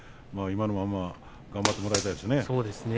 今のまま頑張ってもらいたいですね。